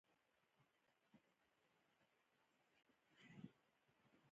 ماشومان په هر کور کې د گلانو په څېر دي.